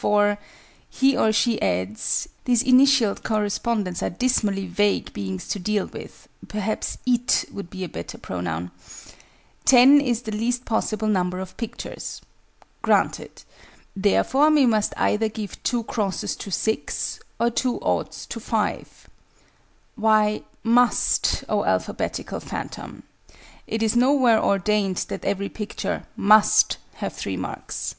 For," he or she adds (these initialed correspondents are dismally vague beings to deal with: perhaps "it" would be a better pronoun), "10 is the least possible number of pictures" (granted): "therefore we must either give 2 x's to 6, or 2 o's to 5." Why "must," oh alphabetical phantom? It is nowhere ordained that every picture "must" have 3 marks!